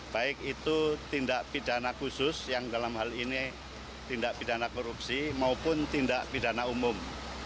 baik itu tindak pidana khusus yang dalam hal ini tindak pidana korupsi maupun tindak pidana umum